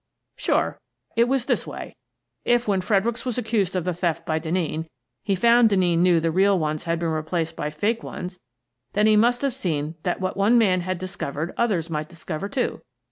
" Sure. It was this way : If, when Fredericks was accused of the theft by Denneen, he found Denneen knew the real ones had been replaced by fake ones, then he must have seen that what one man had dis covered others might discover, too.